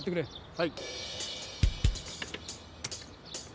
はい。